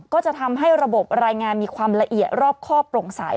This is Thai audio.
ก็จะทำให้ระบบรายงานมีความละเอียดรอบข้อโปร่งใส